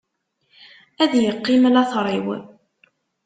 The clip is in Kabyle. Ad yeqqim later-iw.